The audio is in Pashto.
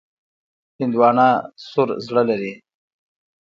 هندوانه سور زړه لري.